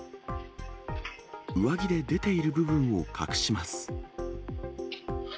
上着で出ている部分を隠します。